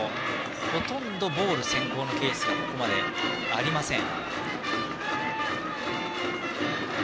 ほとんどボール先行のケースがここまでありません。